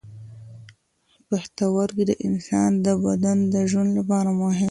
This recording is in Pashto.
پښتورګي د انسان د بدن د ژوند لپاره مهم دي.